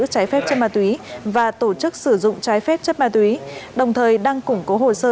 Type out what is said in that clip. trái phép chất ma túy và tổ chức sử dụng trái phép chất ma túy đồng thời đang củng cố hồ sơ